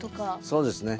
そうですね。